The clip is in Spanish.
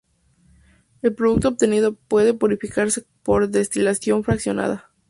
El producto obtenido puede purificarse por destilación fraccionada.